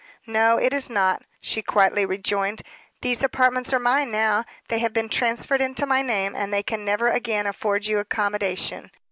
"No, it is not," she quietly rejoined. "These apartments are mine now; they have been transferred into my name, and they can never again afford you accommodation.